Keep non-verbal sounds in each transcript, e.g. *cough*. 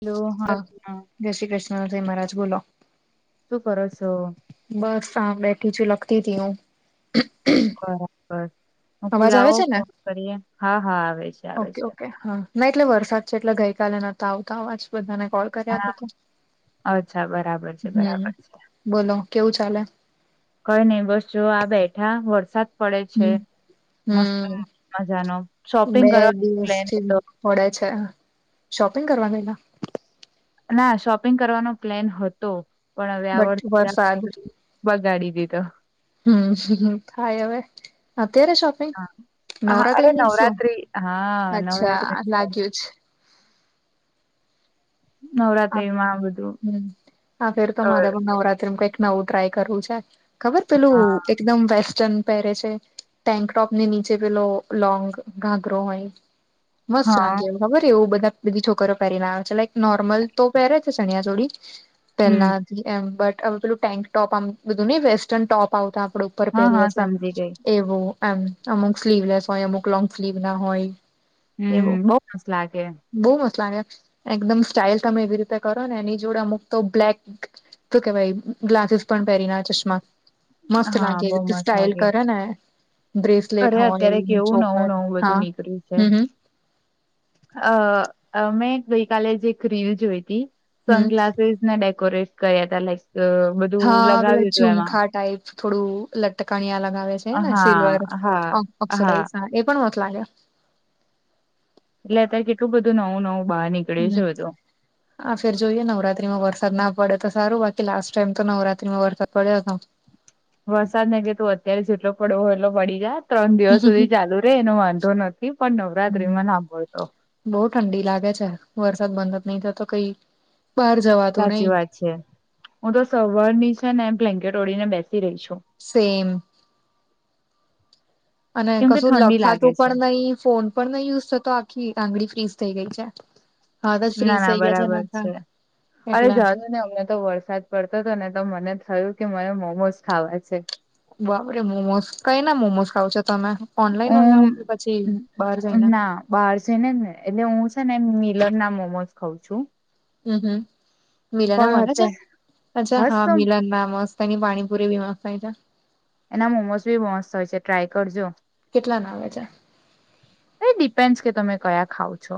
Hello હ, *unintelligible* જય શ્રી કૃષ્ણ, જય મહારાજ બોલો. શું કરો છો? બસ તા બેઠી છું લખતી તી હું. બરાબર, હું કુ અવાજ આવે લાવો છે ને ફોન કરીએ, હા હા આવે છે આવે ઓકે છે. ઓકે હા ના એટલે વરસાદ છે એટલે ગઈકાલે નતા આવતા આવા જ બધાને કોલ, કર્યા હા બધા, અચ્છા બરાબર છે હમ બરાબર છે બોલો કેવું ચાલે, કઈ નહી બસ જો આ બેઠા, વરસાદ પડે છે, હમ મસ્ત હમ મજાનો શોપિંગ બે કરવા નો પ્લેન દિવસથી હતો. પડે છે, શોપિંગ કરવા ગયેલા? ના શોપિંગ કરવાનો પ્લેન હતો. પણ હવે આ બટ વર્ષા વરસાદ બગાડી દીધો. હમ્મ થાય હવે, અત્યારે શોપ હા હા અરે નવરાત્રીની શું, નવરાત્રી હા અચ્છા નવરાત્રી લાગ્યું જ હા નવરાત્રીમાં બધું હ આ ફેર અ તમારે હવ નવરાત્રીમાં કંઈક નવું ટ્રાય કરવું છે ખબર પેલું હા એકદમ વેસ્ટન પહેરે છે ટેન્ક ટોપ ને નીચે પેલો લોંગ ઘાઘરો હોય. મસ્ત હા લાગે ખબર એવું બધા પેલી છોકરીઓ પહેરીને આવે છે, લાઈક નોર્મલ, તું પેહરે છે ચણીયા ચોળી હમ પહેલા એમ બટ હવે પેલું ટેન્ક ટોપ આમ બધું નઈ વેસ્ટર્ન ટોપ આવતા આપડે ઉપર હા હા પહેરીએ છીએ. સમજી ગઈ એવું આમ અમુક સ્લીવલેસ હોય, અમુક લોંગ સ્લીવ ના હોય. હમ્મ બઉ મસ્ત લાગે. બઉ મસ્ત લાગે એકદમ સ્ટાઈલ તમે એવી રીતે કરો ને એની જોડે અમુક તો બ્લેક શું કેવાય ગલાસીસ પણ પહેરી ના ચશ્મા, મસ્ત હા લાગે એ બહુ રીતે મસ્ત સ્ટાઈલ લાગે કરે ને, બ્રેસલેટ અરે હોય, અત્યારે કેવું ચોકર નવું નવું બધું હા નીકળ્યું છે હમ્મ હમ્મ, અ મેં ગઈ કાલે જ એક રીલ જોઈ હતી હમ સનગ્લાસ ને ડેકોરેટ કર્યા તા લાઈક બ હા પેલા ઝુમખા ટાઈપ. થોડું લટકણિયા લગાવે છે ને સિલ્વર હા હા હા ઓક્સોડાઈઝના એ પણ મસ્ત લાગે. એટલે અત્યારે કેટલું બધું નવું નવું બાહર નીક- હમ્મ, આ ફેર જોઈએ નવરાત્રીમાં વરસાદ ના પડે તો સારું બાકી લાસ્ટ ટાઈમ તો નવરાત્રીમાં વરસાદ પડ્યો હતો. વરસાદ ને કે તું અત્યારે જેટલી પડવો હોય એટલો પડી જા, ત્રણ દિવસ સુધી ચાલુ રે એનો વાંધો નથી પણ નવરાત્રીમાં ના પડતો. બહુ ઠંડી લાગે છે, વરસાદ બંધ જ નહી થતો કઈ. બહાર જવાતું સાચી નહી વાત છે. હું તો સવારની છે ને બ્લેન્કેટ ઓઢી ને બેસી રહી છું. સેમ. અને કેમ કે કશું ઠંડી લાગે લખાતું છે પણ નહી ફોન પણ નહી યુઝ થતો આખી આંગળી ફ્રીઝ થઈ ગઈ છે. હાથ જ ના ફ્રીઝ થઇ ના ગયા છે ન બરાબર આખા અરે એટલે જાજો ને હમણે તો વરસાદ પડતો હતો ને તો મને થયું કે મને મોમોઝ ખાવા છે. બાપરે મોમોસ કઈ ના મોમોસ ખાવ છો તમે ઓનલાઈન મંગાવો હું કે પછી બહાર જઈને ના બહાર જઈને જ ને એટલે હું છે ને મીલરના મોમોઝ ખઉં છું. હમ્મ હમ્મ મિલરના પણ મલે છે અત્યારે અચ્છા હસ હા તું મિલરના મસ્ત. તઈની પાણીપુરી બી મસ્તન છે. એના મોમોઝ બી બો મસ્ત હોય છે, ટ્રાય કરજો. કેટલા ના આવે છે? એ ડિપેન્ડસ કે તમે કયા ખાવ છો?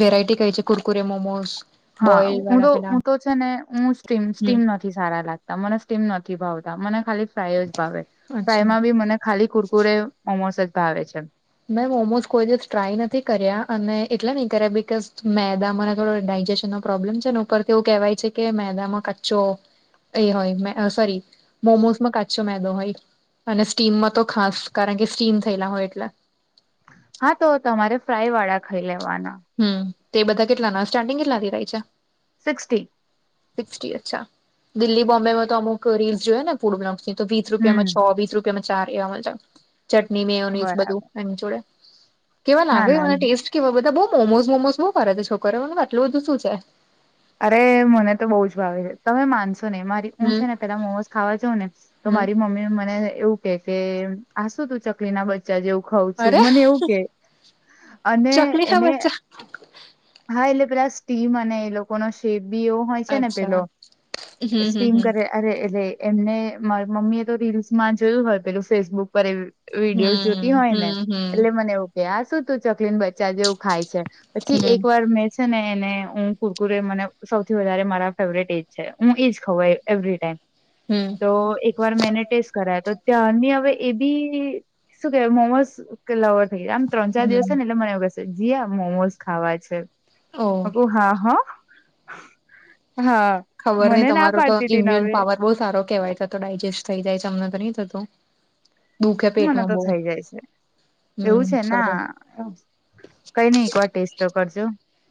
વેરાયટી કઈ છે કુરકુરે મોમોઝ. હા હું તો હું તો. છે ને હું સ્ટીમ હમ સ્ટીમ નથી સારા લાગતા મને સ્ટીમ નથી ભાવતા મને ખાલી ફ્રાય જ ભાવે અચ્છા ફ્રાયમાં બી મને ખાલી કુરકુરે મોમોસ જ ભાવે છે. મેં મોમોઝ કોઈ દિવસ ટ્રાય નથી કર્યા અને એટલા નહી કર્યા બિકઝ મેદા મને થોડો ડાયજેશનનો પ્રોબ્લેમ છે ને ઉપર તો એવું કહેવાય છે કે મેદામાં કચ્ચો એ હોય સોરી મોમોસમાં કાચો મેદો હોય. અને સ્ટીમમાં તો ખાસ, કારણ કે સ્ટીમ થયેલા હોય એટલે. હા તો તમારે ફ્રાય વાળા ખાઈ લેવાના. હમ્મ. તે બધા કેટલાના સ્ટાર્ટિંગ કેટલાથી થાય છે? સિક્સ્ટી. સિક્સ્ટી અચ્છા. દિલ્લી બોમ્બેમાં તો અમુક રીલ્સ જોઈએ ને. *unintelligible* એ તો વીસ હમ રૂપિયામાં છ વીસ રૂપિયામાં ચાર એવા મલતા. ચટણી મેયોનિઝ બધું બરાબર એન જોડે. કેવા ના લાગે ના મને ટેસ્ટ કેવો. બધા બઉ મોમોઝ મોમોઝ બહુ કરે સે છોકરાઓ *unintelligible* આટલું બધું શું છે. અરે મને તો બઉ જ ભાવે છે, તમે માનશો નઈ મારી હું છે હમ ને પેલા મોમોઝ ખાવા જઉં ને. તો હમ મારી મમ્મી મને એવું કે કે આ શું તું ચકલીના બ ચા જેવું ખાઉં છું. અરે મને એવું કે અને ચકલી કા એને બચ્ચા હા એટલે પેલા સ્ટીમ અને એ લોકો નો શેપ બી એવો. હોય છે ને પેલો અચ્છા હમ હમ સ્કિમ હમ કહે. અરે એટલે એમને માર મમ્મી એ તો રીલ્સમાં જોયું હોય પેલું ફેસબુક પર એવું. વિડીયોસ હમ જોતી હોય ને હમ હમ એટલે મન એવું કે આ શું તું ચકલીના બચા જેવું ખાય છે પછી હમ એક વાર મેં છે ને એને હું કુરકુરે મને સૌથી વધારે મારા ફેવરેટ એ જ છે હું એ જ ખઉં એ. એવરી ટાઈમ હમ તો એક વાર મે એને ટેસ્ટ કરાવ્યો તો ત્યાંરની હવે એ બી શું કેવાય મોમોઝ *unintelligible* આમ ત્રણ ચાર દિવસ હમ થશે ને એટલે મને એવું કેશે જીઆ મોમોઝ ખાવા છે. ઓ મે કવુ હા હો. હા મને ના પાડતી તી ન ઈમ્યુન હવે પાવર બહું સારૂ કેવાય તો તો ડાયજેસ્ટ થઈ જાય છે અમને તો નહીં થતું. દુઃખે મને પેટમાં તો બહુ થઈ જાય છે, હમ એવું છે ના. સરસ કઈ નઈ એકવાર ટેસ્ટ તો કરજો.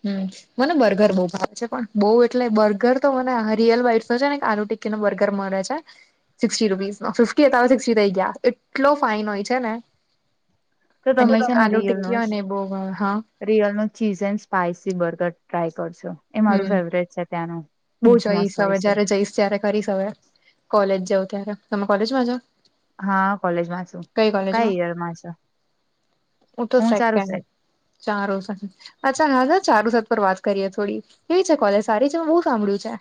હમ, મને બર્ગર બઉ ભાવે છે પણ બઉ એટલે બર્ગર તો મને મ અ રીયલ બાઈટસ નો છે ને કે આલુટી કીનો બર્ગર મળે છે. સિક્સ્ટી રૂપીસમાં. ફિફ્ટી હતા હવે સિક્સ્ટી થઈ ગયા, એટલો ફાઈન હોય છે ને. તો તમે એની એક આલુટિક્કી હોય ને એ બહુ મ, હા રિયલનું cheese and spicy burger try કરજો. એ મારું હમ ફેવરેટ છે ત્યાંનું, બહુ જ મસ્ત જઈશ હોય હવે છે. જયારે જઈશ ક્યારેક કરીશ હવે, કોલેજ જવ ત્યારે, તમે કોલેજમાં છો? હા કોલેજમાં છું, કયા યરમાં છો? હું તો *unintelligible* સેકન્ડ *unintelligible* અચ્છા *unintelligible* ચારુસત પર વાત કરીએ થોડી. કેવી છે કોલેજ, સારી છે, બઉ સાંભળ્યું છે.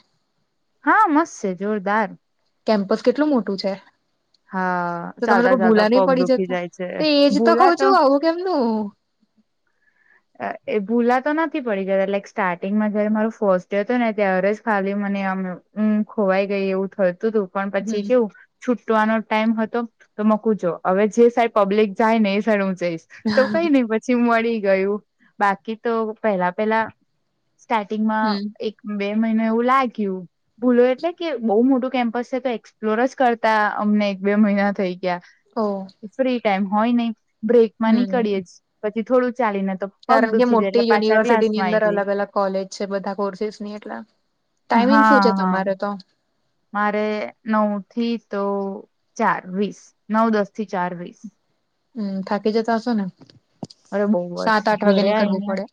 હા મસ્ત છે, જોરદાર. કેમ્પસ કેટલું મોટું છે? હા તો તમે ચાલતા લોકો ચાલતા ભૂલા નઈ પગ પડી દુખી જતા, જાય છે તો એજ તો કવ ભૂલા છું આવું કેમ નું અ એ ભૂલાતો નથી પડી ગયા, લાઈક સ્ટાર્ટિંગમાં જ્યારે મારો ફર્સ્ટ ડે હતો ને ત્યારે જ ખાલી મને આમ એ હમ ખોવાઈ ગઈ એવું થતું તું, પણ પછી હમ કેવું છૂટવાનો ટાઈમ હતો, તો મ કુ જો અવે જે સાઈડ પબ્લિક જાય ને એ સાઈડ હું જઈશ. તો કઈ નઈ પછી મળી ગયું, બાકી તો પેલા પેલા સ્ટાર્ટિંગમાં હમ એક બે મહિના એવું લાગ્યું. ભૂલો એટલે કે બહુ મોટું કેમ્પસ છે તો એક્સપ્લોર જ કરતા અમને એક બે મહિના થઈ ગયા. ઓહ. ફ્રી ટાઈમ હોય નઈ, બ્રેકમાં નીકળીએ સ, પછી થોડું ચાલીને તો પગ કારણકે દુખી જાય મોટી એટલે પાછા યુનિવર્સિટીની ક્લાસમાં આઈ અંદર અલગ જઈ અલગ કોલેજ છે, બધા કોર્સીસની એટલે ટાઈમિંગ શું હા છે હા તમારો તો? મારે નવ થી તો ચાર વીસ, નવ દસ થી ચાર વીસ. હમ થાકી જતા હશો ને, અરે બહુ સાત જ આઠ વાગે ઘરે નીકળવું પડે.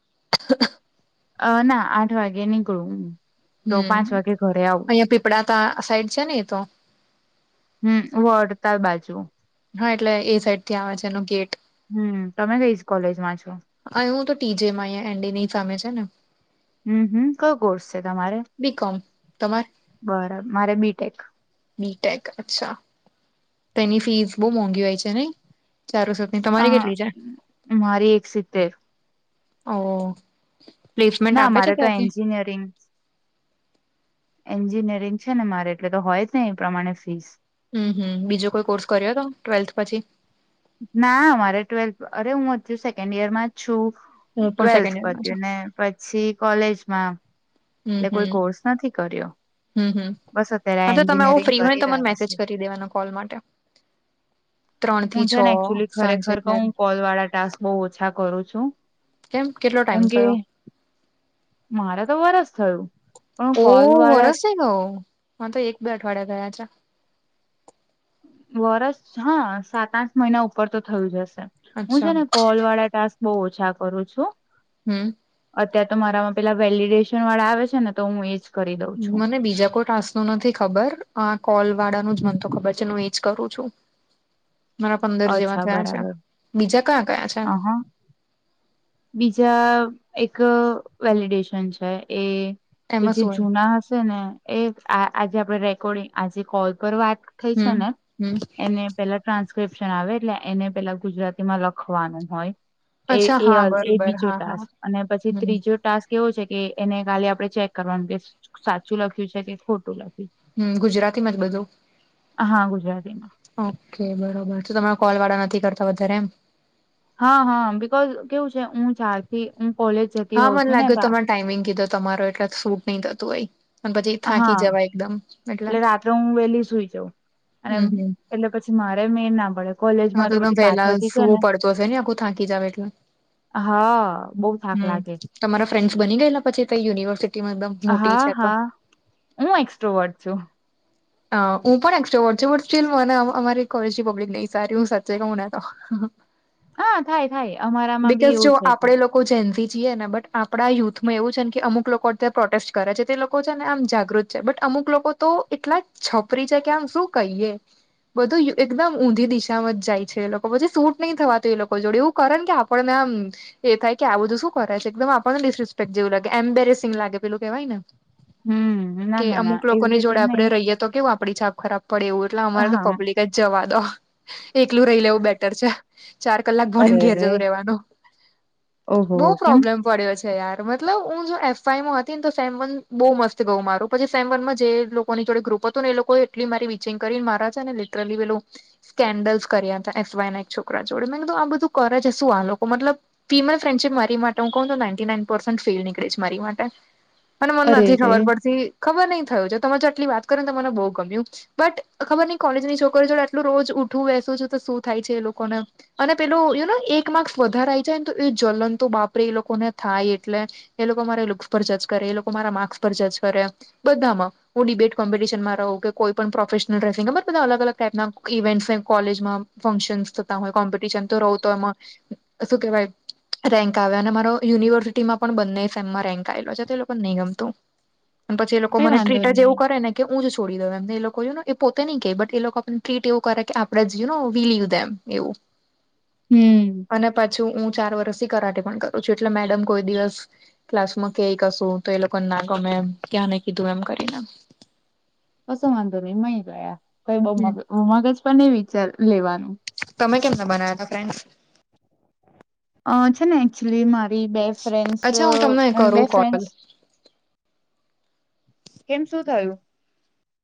અ ના આઠ વાગે નીકળું હું. હમ અહિયાં પીપળા પા સાઈડ છે ને એ તો હમ વળતા બાજુ. હા એટલે એ સાઈડથી આવે છે એનો ગેટ. હમ તમે કઈ કોલેજમાં છો અ હું તો ટી જેમાં અહીયા એમ ડી ની સામે છે ને. હમ હમ કયો કોર્સ છે તમારે, બીકોમ તમાર મારે બી ટેક. બી ટેક અચ્છા, તેની ફીસ બહુ મોંઘી હોય છે નહી ચારો સ અ તમારી કેટલી છે? મારી એક સીત્તેર. ઓહ, પ્લેસમેન્ટ આપે છે ત્યાંથી. નિયરિંગ્સ. એન્જિનિયરિંગ છે ને મારે એટલે તો હોય જ ને એ પ્રમાણે ફીસ. હમ હમ બીજો કોઈ કોર્સ કર્યો તો, ટ્વેલ્થ પછી? ના મારે ટ્વેલ્થ, અરે હું હજુ સેકન્ડ યરમાં જ છું. હું પણ ટ્વેલ્થ સેકન્ડ યરમાં છું પત્યું ને, પછી કોલેજમાં. હમ એટલે હમ કોઈ કોર્સ નથી કર્યો. હમ હમ, બસ અત્યારે હા આ તો તમે આવું એન્જિનિયરિંગ ફ્રી હોય ન કરી તો મને રહ્યા મેસેજ છે કરી દેવાનો કોલ માટે. ત્રણ થી હું છ છે ને એકચુલી સાંજે ખરેખર કઉ ક્યારે કોલ વાળા ટાસ્ક બઉ ઓછા કરું છું કેમ કેટલો ટાઈમ થયો મારા તો વરસ થયું પણ હું કોલ વાળા ઉ હ તો મારે તો એક બે અઠવાડિયા થયા છે વરસ હા સાત આઠ મહિના ઉપર તો થયું જ હશે હું છે અચ્છા ને કોલ વાળા ટાસ્ક બઉ ઓછા કરું છું હમ અત્યાર તો મારામાં પેલા વેલીડેશન વાળા આવે છે ને તો હું એજ કરી દઉં છું. મને બીજા કોઈ ટાસ્ક આ નથી ખબર આ કોલ વાળા નુ જ મન તો ખબર છે હું એજ કરું છું મારા પંદર જેવા અચ્છા થયા છે બીજા કયા કયા છે હા બીજા એક વેલિડેશન છે એ તો એમાં જે શું હોય? જૂના હશે ને એ આજે આપણે રેકોર્ડિંગ આજે કોલ પર વાત થઈ છે હમ ને હમ એને પેલા ટ્રાન્સ્ક્રિપ્શન આવે એટલે એને પેલા ગુજરાતીમાં લખવાનું હોય એ અચ્છા હા એ એ બરોબર બીજો હા હા ટાસ્ક અને પછી હમ ત્રીજો ટાસ્ક એવો છે કે એને ખાલી આપડણે ચેક કરવાનું કે સાચું લખ્યું છે કે ખોટું લખ્યું છે હમ ગુજરાતી માં જ બધું હા ગુજરાતીમાં ઓકે બરોબર તો તમે કોલ વાળા નથી કરતા વધારે એમ હા હા બિકોઝ કેવું છે હું ચારથી હું કોલેજ જતી હા હોઉં મને છું ને લાગ્યું તા તમામે ટાઈમિંગ કીધું તમારો એટલે સૂટ નહી થતું હોઈ હા એટલે રાત્રે હું વેલી સુઈ જાઉં અને હમ હમ એટલે પછી મારે મેળ ના પડે હા કોલેજમાં તો એને પછી પેલા પાછળથી છે ને સુવું પડતો હશે ને આખું થાકી જાવ એટલે હા બઉથાક લાગે છે હમ તમારા ફ્રેન્ડ્સ બની ગયેલા પછી યુનિવર્સિટીમાં એકદમ મોટી હા છે તો હા હું એકસ્ટ્રોટ છું હ હું પણલ મને અમારી કોલેજ પબ્લિક ન સારી હું સાચે કું ના તો હા થાય થાય અમારા માં બી બિકોઝ જો એવું છે જ આપણે લોકો જેનથી જીએ ને બટ આપણા યુથમાં એવું છે ને કે અમુક લોકોત્યારે પ્રોટેસ્ટ કરે છે તે લોકો છે ને આમ જાગૃત બટ અમુક લોકો તો એટલા છપરી છે કે આમ શું કહીએ બધું એકદમ ઊંધી દિશામાં જ જાય છે એ લોકો પછી સૂટ નહીં થવાતું એ લોકો જોડે એવું કારણ કે આપણને આમ એ થાય કે આ બધું શું કરાય છે એકદમ આપણનેિસિસ્પેક્ટ જેવું લાગે એમ્બેરેસિંગ લેલુંહેવાય ને હમ્મ, ના કે ના ના અમુક એવી લોકોની રીતે જોડે નહી આપડે રહીય તો કેવું આપડી છાપ ખરાબ પડે એવું એટલે અમારે તો હા, પબ્લિક જ જવા દો એકલું રહી લેવું બેટર છે ચાર કલાક ભણીને અરે ઘેર રે જતું રેવાનું ઓહો કેમ પડ્યો છે યાર મતલબ હું જો એફઆઈમાં હતી ને તો સેમન બહુ મસ્ત ગઉ મારું પછી સેમનમાં જે ની જોડે ગ્રુપ હતું એ લોકો એટલી મારી વિચિંગ કરીને મારા છે ને લિટરલી પેું સ્કેન્ડલ્સ કર્યા હતા એસ વાય ના એક છોકરા જોડે મેં કીધું આ બધું કરે છે શું આ લોકો મતલબ ફીમલ ફ્રેન્ડશીપ મારી માટે હું કોણ છ નાઇન્ટી નાઇન પર્સન્ટ ફેલ નીકળીશ મારી માટે અને મને અરે નથી રે ખબર પડતી ખબર નહ થયું છે તમે જે આટલી વાત કરી ને મને બહુ ગમ્યું બટ ખબર નહ કોલેજની છોકરી જોડે આટલું રોજ ઉઠું બેસું છું તો શું થાય છે એ લોકોને અને પેલોું યુ નો એક માર્ક્સ વધારે આવી જાય ને તો એ જલન તો બાપરે એ લોકોને થાય એટલે એ લોકો મારે લુક્સ પર જજ કરે એ લોકો મારા માર્ક્સ પર જજ કરે બધામાં હું ડિબેટ કોમ્પિટિશનમાં રહુ કે કોઈ પણ પ્રોફેશનલ ડ્રેસિંગ બર બધા અલ અલગાઈપના ઇવેન્ટ્સ કોલેજમાં ફંક્શનસ થતા હોય કોમ્પિટિશન તો રહવ તો એમાં શું કેહેવાય? રેન્ક આવ્યો અને મારો યુનિવર્સિટીમાં પણ બંને સેમમાં રેન્ક આવેલો છે તો લોકો નહીં ગમતું. *inaudible* પછી એ લોકો કઈ મને વાંધો ટ્રીટ જ નહી જેવું કરે ને કે હું જ છોડી દઉં એમને એ લોકોને એ પોતે નહી ક બટ એ લોકો આપને ટ્રીટ એવું કરે કે આપણે જ ય બિલીવ દેમ એવું. *inaudible* હમ્મ, અને પાછું હું ચાર વર્ષથી કરાટે પણ કરું છું એટલે મેડમ કોઈ દિવસ ક્લાસમાં કય કશું તો એ લોકોને ના ગમે એમ ક્યાં ન કીધું એમ કરીને. કસું વાંધો નહી મય ગયા કઈ બ મ મગજ પણ નહી વિચાર લેવાનું તમે કેમ ન બનાયા થા ફ્રેન્ડસ?? અ છે ને એકચુલી મારી બે ફ્રેન્ડસ અચ્છા હું તમને બે કરું કોલ ફ્રેન્ડસ કેમ શું થયું?